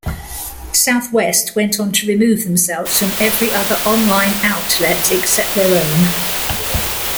Southwest went on to remove themselves from every other online outlet except their own.